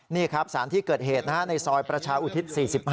นี่ครับสารที่เกิดเหตุในซอยประชาอุทิศ๔๕